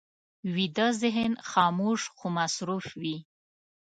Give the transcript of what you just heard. ویده ذهن خاموش خو مصروف وي